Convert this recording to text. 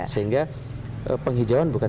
sehingga penghijauan bukan